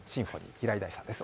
平井大さんです